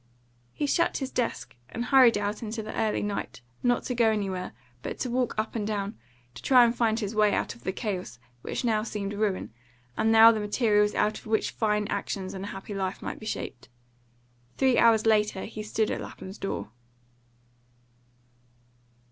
He shut his desk and hurried out into the early night, not to go anywhere, but to walk up and down, to try to find his way out of the chaos, which now seemed ruin, and now the materials out of which fine actions and a happy life might be shaped. Three hours later he stood at Lapham's door.